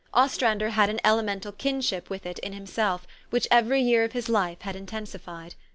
Ostrander had an elemental kinship with it in himself, which every year of his life had intensified.